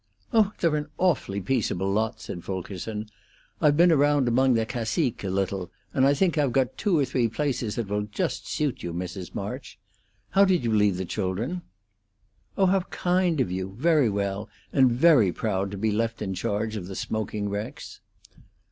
"Oh, they're an awful peaceable lot," said Fulkerson. "I've been round among the caciques a little, and I think I've got two or three places that will just suit you, Mrs. March. How did you leave the children?" "Oh, how kind of you! Very well, and very proud to be left in charge of the smoking wrecks."